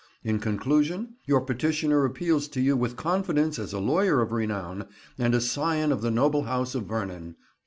In conclusion, your petitioner appeals to you with confidence as a lawyer of renown, and a scion of the noble house of Vernon.